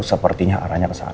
sepertinya arahnya ke sana